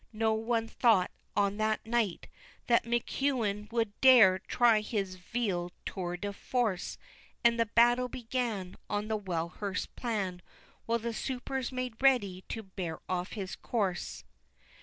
No one thought, on that night, That McEwen would dare try his vile tour de force; And the battle began On the well rehearsed plan, While the supers made ready to bear off his corse.